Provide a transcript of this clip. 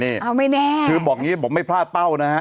เอาไม่แน่คือบอกอย่างนี้บอกไม่พลาดเป้านะฮะ